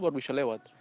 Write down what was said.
baru bisa lewat